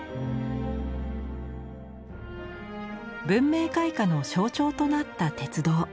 文明開化の象徴となった鉄道。